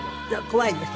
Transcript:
怖いです。